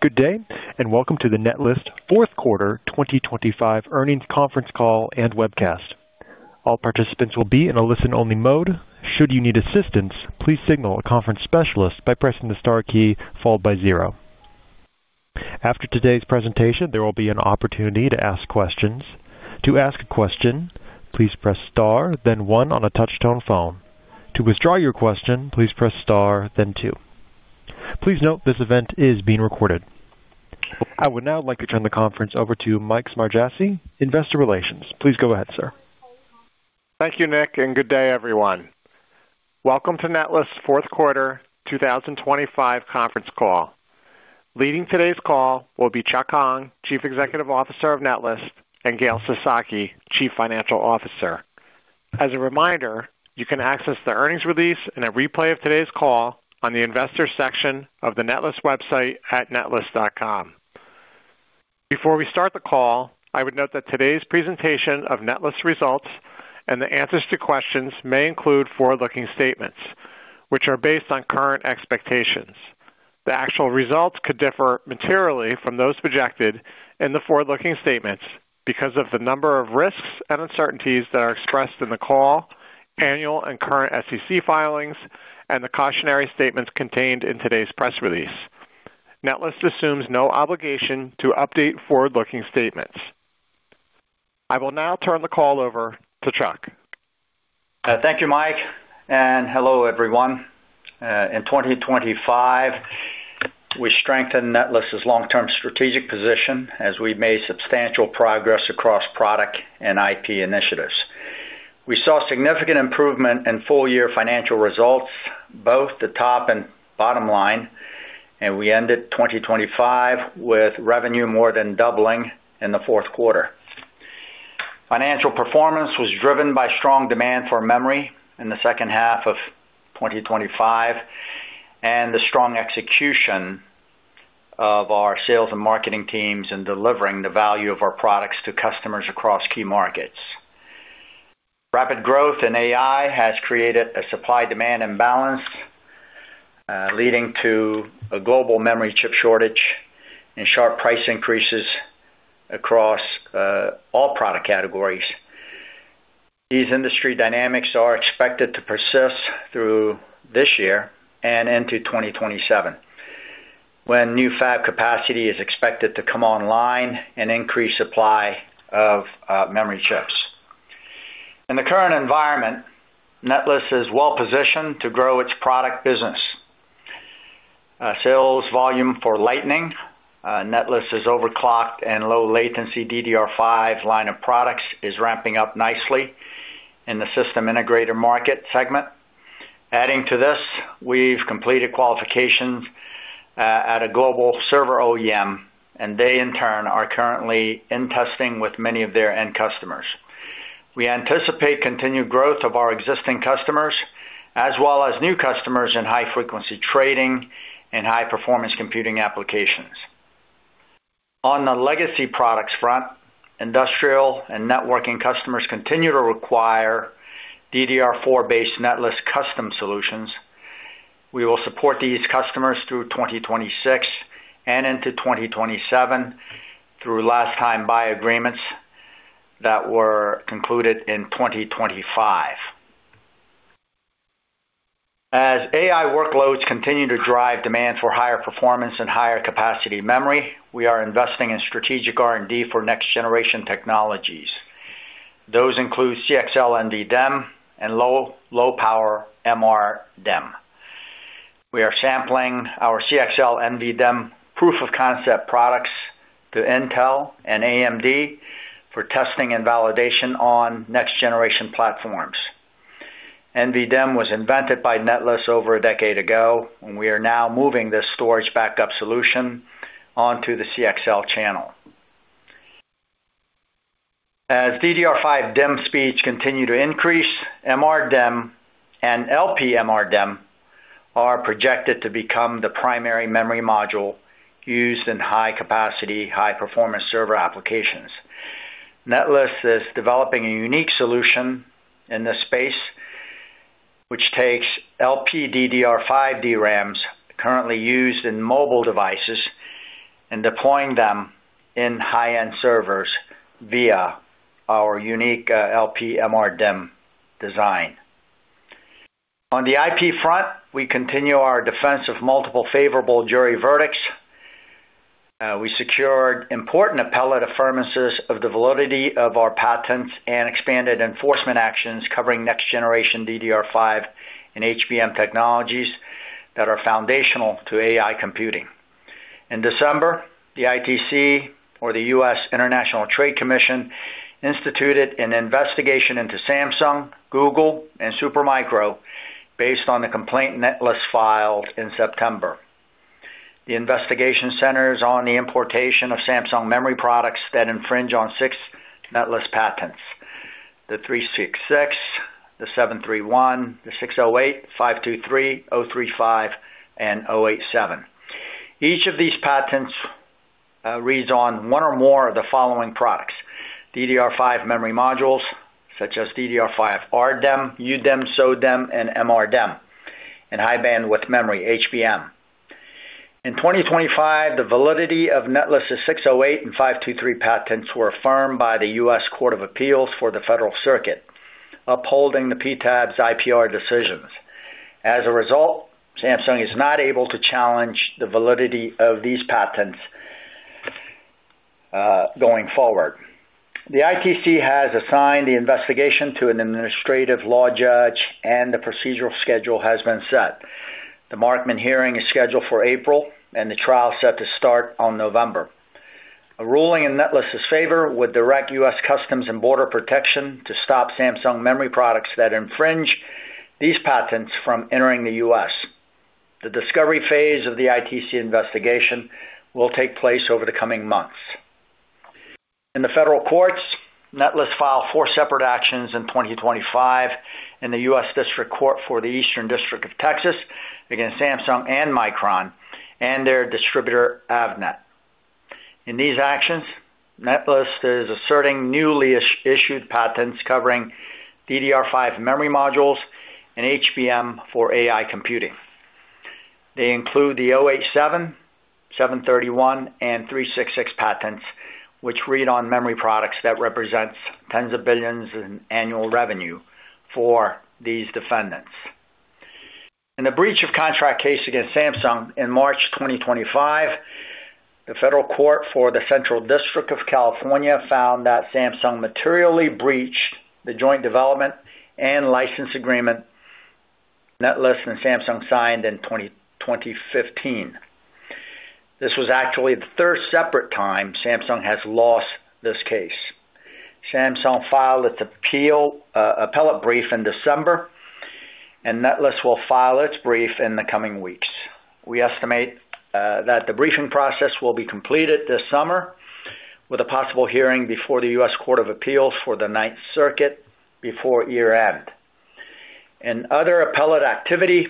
Good day, welcome to the Netlist fourth quarter 2025 earnings conference call and webcast. All participants will be in a listen-only mode. Should you need assistance, please signal a conference specialist by pressing the star key followed by zero. After today's presentation, there will be an opportunity to ask questions. To ask a question, please press star then one on a touch-tone phone. To withdraw your question, please press star then two. Please note this event is being recorded. I would now like to turn the conference over to Mike Smargiassi, Investor Relations. Please go ahead, sir. Thank you, Nick, and good day, everyone. Welcome to Netlist's fourth quarter 2025 conference call. Leading today's call will be Chuck Hong, Chief Executive Officer of Netlist, and Gail Sasaki, Chief Financial Officer. As a reminder, you can access the earnings release and a replay of today's call on the investor section of the Netlist website at netlist.com. Before we start the call, I would note that today's presentation of Netlist results and the answers to questions may include forward-looking statements, which are based on current expectations. The actual results could differ materially from those projected in the forward-looking statements because of the number of risks and uncertainties that are expressed in the call, annual, and current SEC filings, and the cautionary statements contained in today's press release. Netlist assumes no obligation to update forward-looking statements. I will now turn the call over to Chuck. Thank you, Mike. Hello, everyone. In 2025, we strengthened Netlist's long-term strategic position as we made substantial progress across product and IP initiatives. We saw significant improvement in full-year financial results, both the top and bottom line. We ended 2025 with revenue more than doubling in the fourth quarter. Financial performance was driven by strong demand for memory in the second half of 2025 and the strong execution of our sales and marketing teams in delivering the value of our products to customers across key markets. Rapid growth in AI has created a supply-demand imbalance, leading to a global memory chip shortage and sharp price increases across all product categories. These industry dynamics are expected to persist through this year and into 2027, when new fab capacity is expected to come online and increase supply of memory chips. In the current environment, Netlist is well-positioned to grow its product business. Sales volume for Lightning, Netlist's overclocked and low latency DDR5 line of products is ramping up nicely in the system integrator market segment. Adding to this, we've completed qualifications at a global server OEM, and they, in turn, are currently in testing with many of their end customers. We anticipate continued growth of our existing customers as well as new customers in high-frequency trading and high-performance computing applications. On the legacy products front, industrial and networking customers continue to require DDR4-based Netlist custom solutions. We will support these customers through 2026 and into 2027 through last-time buy agreements that were concluded in 2025. As AI workloads continue to drive demand for higher performance and higher capacity memory, we are investing in strategic R&D for next-generation technologies. Those include CXL NVDIMM and low-power MRDIMM. We are sampling our CXL NVDIMM proof-of-concept products to Intel and AMD for testing and validation on next-generation platforms. NVDIMM was invented by Netlist over a decade ago, and we are now moving this storage backup solution onto the CXL channel. As DDR5 DIMM speeds continue to increase, MRDIMM and LP-MRDIMM are projected to become the primary memory module used in high-capacity, high-performance server applications. Netlist is developing a unique solution in this space, which takes LPDDR5 DRAMs currently used in mobile devices and deploying them in high-end servers via our unique LP-MRDIMM design. On the IP front, we continue our defense of multiple favorable jury verdicts. We secured important appellate affirmances of the validity of our patents and expanded enforcement actions covering next-generation DDR5 and HBM technologies that are foundational to AI computing. In December, the ITC, or the U.S. International Trade Commission, instituted an investigation into Samsung, Google, and Super Micro based on the complaint Netlist filed in September. The investigation centers on the importation of Samsung memory products that infringe on six Netlist patents: the '366, the '731, the '608, '523, '035, and '087. Each of these patents reads on one or more of the following products, DDR5 memory modules, such as DDR5 RDIMM, UDIMM, SO-DIMM, and MRDIMM, and high bandwidth memory, HBM. In 2025, the validity of Netlist's '608 and '523 patents were affirmed by the U.S. Court of Appeals for the Federal Circuit, upholding the PTAB's IPR decisions. As a result, Samsung is not able to challenge the validity of these patents going forward. The ITC has assigned the investigation to an administrative law judge. The procedural schedule has been set. The Markman hearing is scheduled for April. The trial set to start on November. A ruling in Netlist's favor would direct U.S. Customs and Border Protection to stop Samsung memory products that infringe these patents from entering the U.S. The discovery phase of the ITC investigation will take place over the coming months. In the federal courts, Netlist filed four separate actions in 2025 in the U.S. District Court for the Eastern District of Texas against Samsung and Micron and their distributor, Avnet. In these actions, Netlist is asserting newly issued patents covering DDR5 memory modules and HBM for AI computing. They include the '087, '731, and '366 patents, which read on memory products that represents tens of billions in annual revenue for these defendants. In a breach of contract case against Samsung in March 2025, the Federal Court for the Central District of California found that Samsung materially breached the joint development and license agreement Netlist and Samsung signed in 2015. This was actually the third separate time Samsung has lost this case. Samsung filed its appeal, appellate brief in December, and Netlist will file its brief in the coming weeks. We estimate that the briefing process will be completed this summer, with a possible hearing before the United States Court of Appeals for the Ninth Circuit before year-end. In other appellate activity,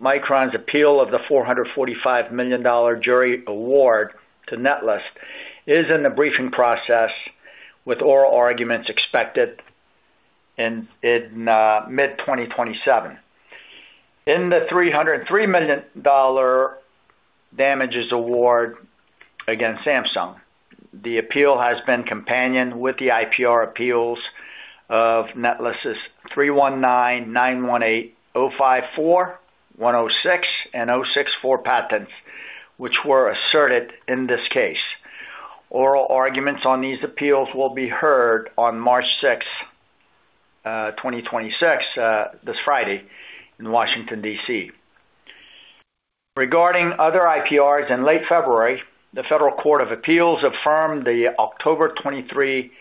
Micron's appeal of the $445 million jury award to Netlist is in the briefing process, with oral arguments expected mid-2027. In the $303 million damages award against Samsung, the appeal has been companioned with the IPR appeals of Netlist's '319, '918, '054, '106, and '064 patents, which were asserted in this case. Oral arguments on these appeals will be heard on March 6th, 2026, this Friday in Washington, D.C. Regarding other IPRs, in late February, the Federal Court of Appeals affirmed the October 23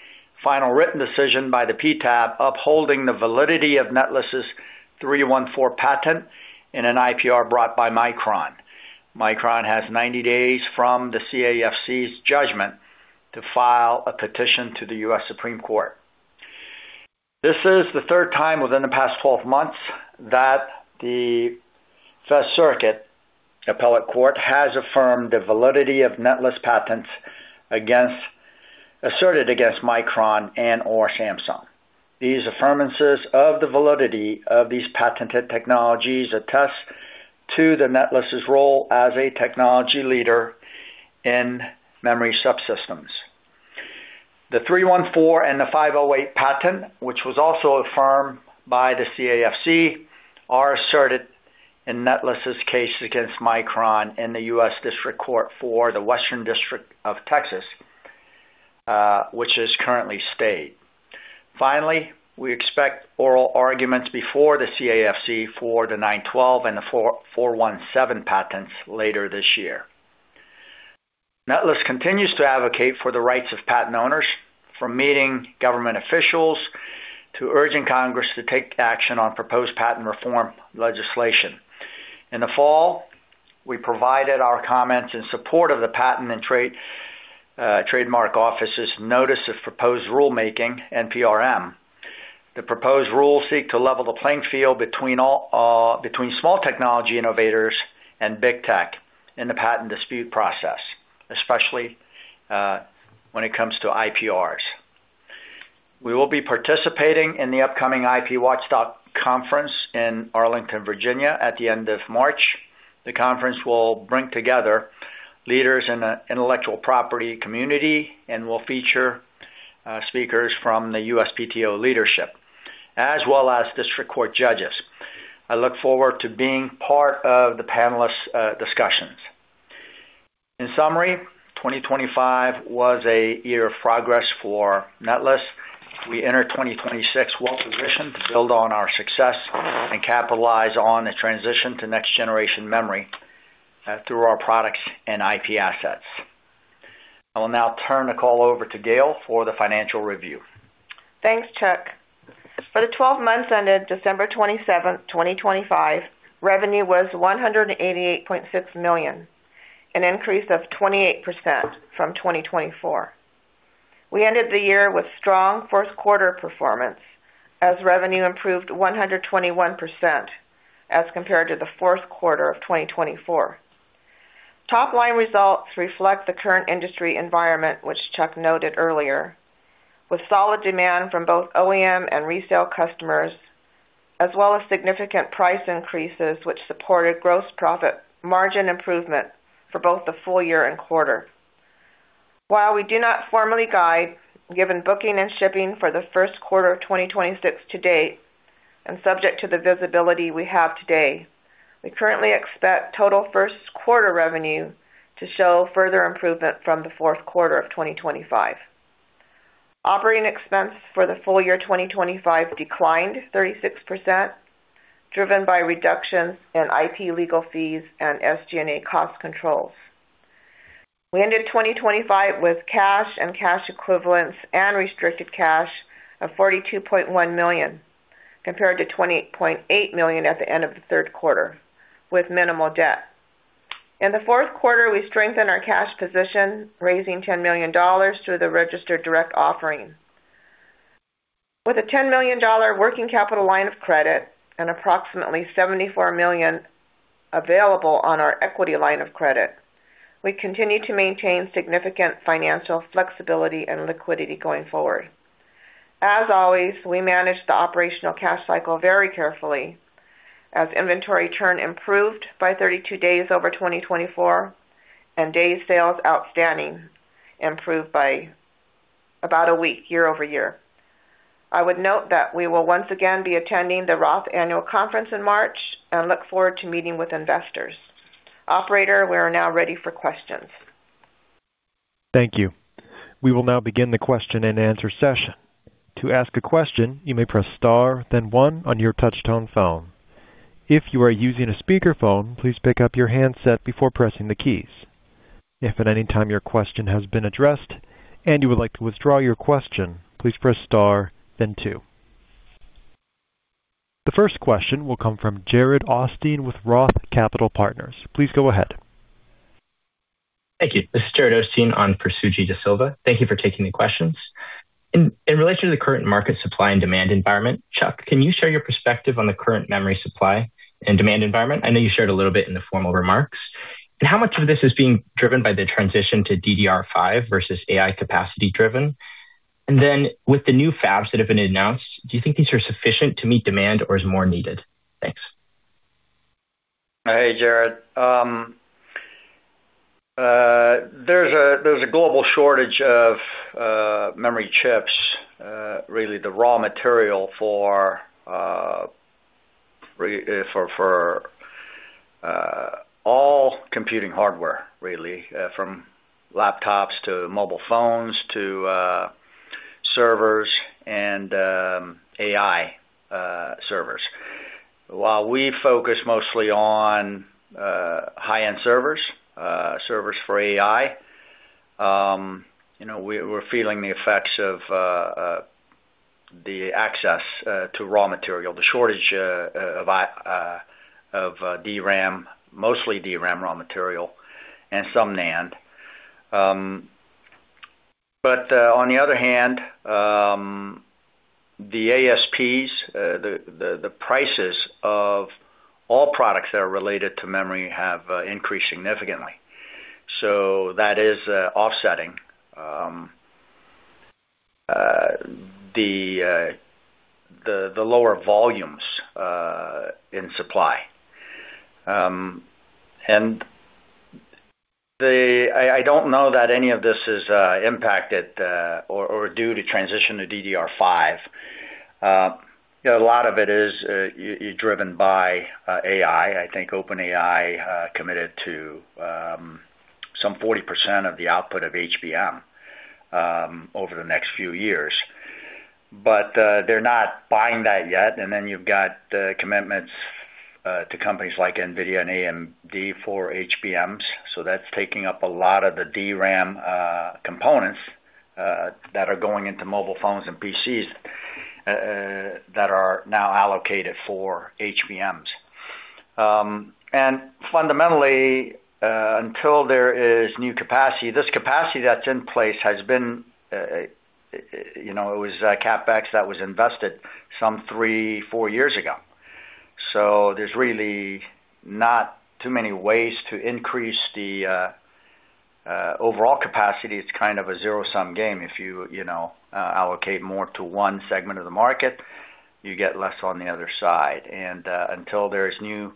final written decision by the PTAB upholding the validity of Netlist's '314 patent in an IPR brought by Micron. Micron has 90 days from the CAFC's judgment to file a petition to the U.S. Supreme Court. This is the third time within the past 12 months that the First Circuit appellate court has affirmed the validity of Netlist patents asserted against Micron and or Samsung. These affirmances of the validity of these patented technologies attest to the Netlist's role as a technology leader in memory subsystems. The '314 and the '508 patent, which was also affirmed by the CAFC, are asserted in Netlist's case against Micron in the United States District Court for the Western District of Texas, which is currently stayed. We expect oral arguments before the CAFC for the '912 and the '417 patents later this year. Netlist continues to advocate for the rights of patent owners from meeting government officials to urging Congress to take action on proposed patent reform legislation. In the fall, we provided our comments in support of the Patent and Trademark Office's Notice of Proposed Rulemaking, NPRM. The proposed rule seek to level the playing field between all, between small technology innovators and big tech in the patent dispute process, especially when it comes to IPRs. We will be participating in the upcoming IPWatchdog conference in Arlington, Virginia, at the end of March. The conference will bring together leaders in the intellectual property community and will feature speakers from the USPTO leadership, as well as district court judges. I look forward to being part of the panelists' discussions. In summary, 2025 was a year of progress for Netlist. We enter 2026 well-positioned to build on our success and capitalize on the transition to next-generation memory through our products and IP assets. I will now turn the call over to Gail for the financial review. Thanks, Chuck. For the 12 months ended December 27th, 2025, revenue was $188.6 million, an increase of 28% from 2024. We ended the year with strong first quarter performance as revenue improved 121% as compared to the fourth quarter of 2024. Top line results reflect the current industry environment, which Chuck noted earlier, with solid demand from both OEM and resale customers, as well as significant price increases, which supported gross profit margin improvement for both the full year and quarter. While we do not formally guide, given booking and shipping for the first quarter of 2026 to date, and subject to the visibility we have today, we currently expect total first quarter revenue to show further improvement from the fourth quarter of 2025. Operating expense for the full year 2025 declined 36%, driven by reductions in IP legal fees and SG&A cost controls. We ended 2025 with cash and cash equivalents and restricted cash of $42.1 million, compared to $28.8 million at the end of the third quarter, with minimal debt. In the fourth quarter, we strengthened our cash position, raising $10 million through the registered direct offering. With a $10 million working capital line of credit and approximately $74 million available on our equity line of credit, we continue to maintain significant financial flexibility and liquidity going forward. As always, we manage the operational cash cycle very carefully as inventory churn improved by 32 days over 2024, and days sales outstanding improved by about a week year-over-year. I would note that we will once again be attending the Annual Roth Conference in March and look forward to meeting with investors. Operator, we are now ready for questions. Thank you. We will now begin the question-and-answer session. To ask a question, you may press star, then one on your touchtone phone. If you are using a speakerphone, please pick up your handset before pressing the keys. If at any time your question has been addressed and you would like to withdraw your question, please press star then two. The first question will come from Jared Osteen with Roth Capital Partners. Please go ahead. Thank you. This is Jared Osteen on for Suji Desilva. Thank you for taking the questions. In relation to the current market supply and demand environment, Chuck, can you share your perspective on the current memory supply and demand environment? I know you shared a little bit in the formal remarks. How much of this is being driven by the transition to DDR5 versus AI capacity driven? With the new fabs that have been announced, do you think these are sufficient to meet demand or is more needed? Thanks. Hey, Jared. There's a global shortage of memory chips, really the raw material for all computing hardware really from laptops to mobile phones to servers and AI servers. While we focus mostly on high-end servers for AI, you know, we're feeling the effects of the access to raw material, the shortage of DRAM, mostly DRAM raw material and some NAND. On the other hand, the ASPs, the prices of all products that are related to memory have increased significantly. That is offsetting the lower volumes in supply. I don't know that any of this is impacted or due to transition to DDR5. A lot of it is driven by AI. I think OpenAI committed to some 40% of the output of HBM over the next few years, they're not buying that yet. You've got commitments to companies like NVIDIA and AMD for HBMs, that's taking up a lot of the DRAM components that are going into mobile phones and PCs that are now allocated for HBMs. Fundamentally, until there is new capacity, this capacity that's in place has been, it was CapEx that was invested some three, four years ago. There's really not too many ways to increase the overall capacity. It's kind of a zero-sum game. If you know, allocate more to one segment of the market, you get less on the other side. Until there's new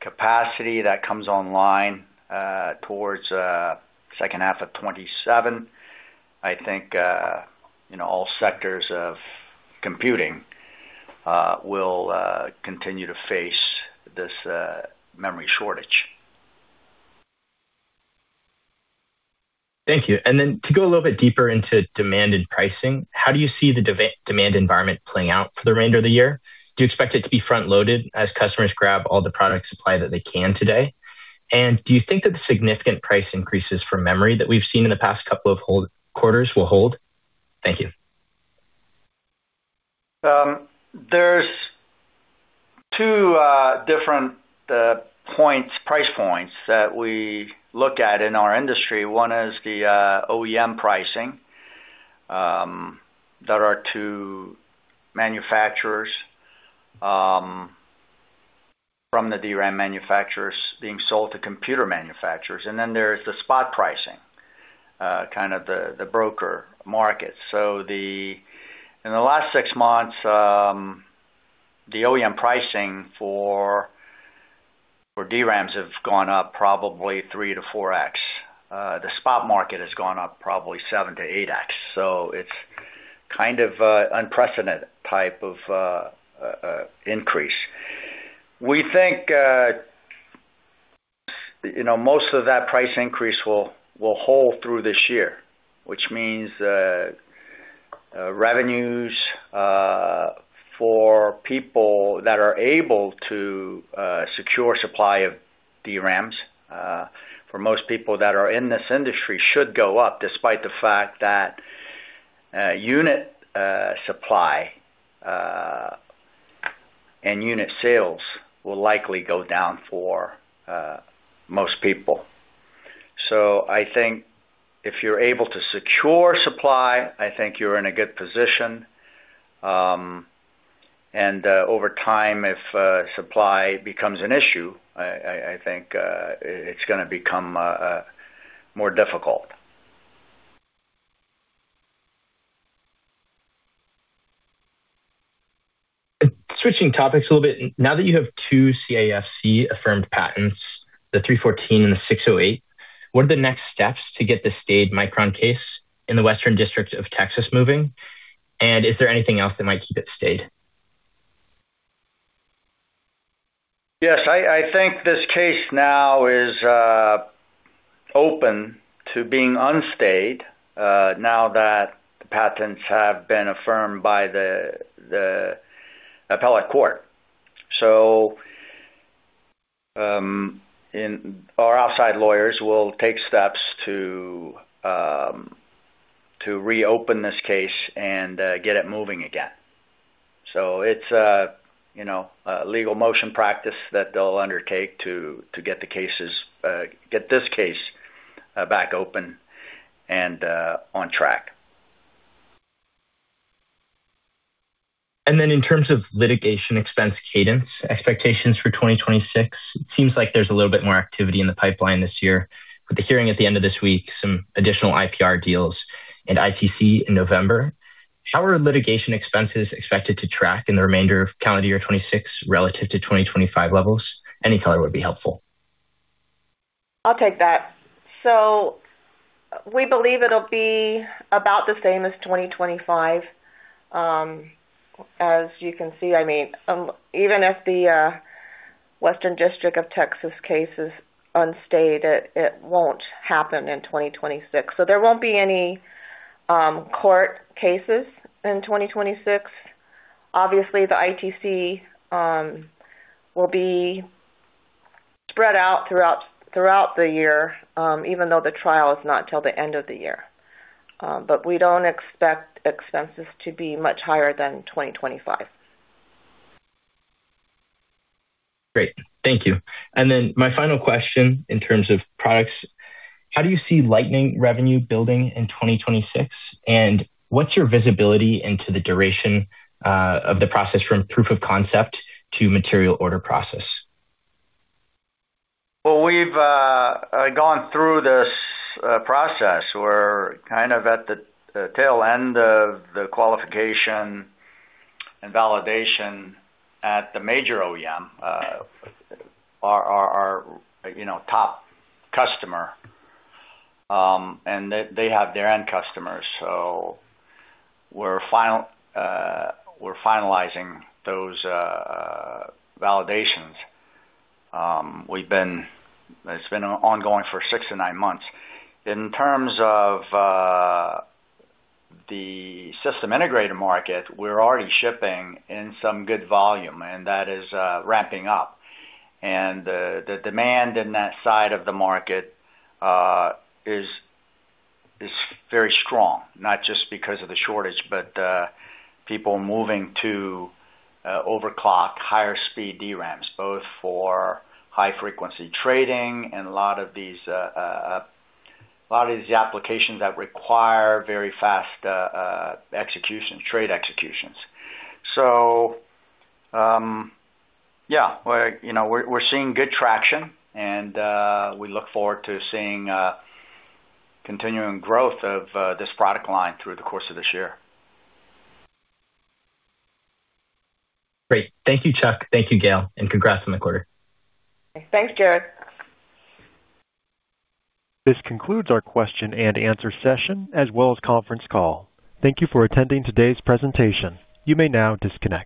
capacity that comes online, towards second half of 2027, I think, you know, all sectors of computing, will continue to face this, memory shortage. Thank you. Then to go a little bit deeper into demand and pricing, how do you see the demand environment playing out for the remainder of the year? Do you expect it to be front-loaded as customers grab all the product supply that they can today? Do you think that the significant price increases for memory that we've seen in the past couple of whole quarters will hold? Thank you. From the price points that we look at in our industry, one is the OEM pricing that are to manufacturers from the DRAM manufacturers being sold to computer manufacturers. There's the spot pricing, kind of the broker market. In the last six months, the OEM pricing for DRAMs have gone up probably 3x to 4x. The spot market has gone up probably 7x to 8x. It's kind of an unprecedented type of increase. We think, you know, most of that price increase will hold through this year, which means revenues for people that are able to secure supply of DRAMs, for most people that are in this industry should go up despite the fact that unit supply and unit sales will likely go down for most people. I think if you're able to secure supply, I think you're in a good position. Over time, if supply becomes an issue, I think it's gonna become more difficult. Switching topics a little bit. Now that you have two CAFC affirmed patents, the '314 patent and the '608 patent, what are the next steps to get the stayed Micron case in the Western District of Texas moving? Is there anything else that might keep it stayed? Yes. I think this case now is open to being unstayed now that the patents have been affirmed by the appellate court. Our outside lawyers will take steps to reopen this case and get it moving again. It's, you know, a legal motion practice that they'll undertake to get this case back open and on track. In terms of litigation expense cadence expectations for 2026, it seems like there's a little bit more activity in the pipeline this year. With the hearing at the end of this week, some additional IPR deals and ITC in November. How are litigation expenses expected to track in the remainder of calendar year 2026 relative to 2025 levels? Any color would be helpful. I'll take that. We believe it'll be about the same as 2025. As you can see, I mean, even if the Western District of Texas case is unstayed, it won't happen in 2026. There won't be any court cases in 2026. Obviously, the ITC will be spread out throughout the year, even though the trial is not till the end of the year. We don't expect expenses to be much higher than 2025. Great. Thank you. My final question in terms of products, how do you see Lightning revenue building in 2026? What's your visibility into the duration of the process from proof of concept to material order process? Well, we've gone through this process. We're kind of at the tail end of the qualification and validation at the major OEM, our, you know, top customer, and they have their end customers. We're final, we're finalizing those validations. It's been ongoing for six to nine months. In terms of the system integrator market, we're already shipping in some good volume, and that is ramping up. The demand in that side of the market is very strong, not just because of the shortage, but people moving to overclock higher speed DRAMs, both for high frequency trading and a lot of these applications that require very fast execution, trade executions. Yeah. We're, you know, we're seeing good traction. We look forward to seeing continuing growth of this product line through the course of this year. Great. Thank you, Chuck. Thank you, Gail, and congrats on the quarter. Thanks, Jared. This concludes our question-and-answer session as well as conference call. Thank you for attending today's presentation. You may now disconnect.